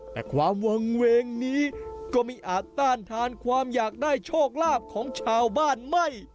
แต่ความวางเวงนี้ก็ไม่อาจต้านทานความอยากได้โชคลาภของชาวบ้านไม่